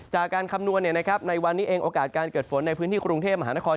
คำนวณในวันนี้เองโอกาสการเกิดฝนในพื้นที่กรุงเทพมหานคร